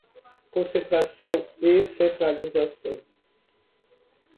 Concentração e centralização